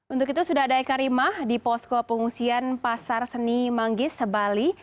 untuk itu sudah ada eka rimah di posko pengungsian pasar seni manggis bali